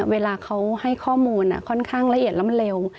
เวลาเขาให้ข้อมูลค่อนข้างละเอียดแล้วมันเร็ว